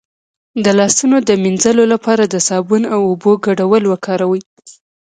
د لاسونو د مینځلو لپاره د صابون او اوبو ګډول وکاروئ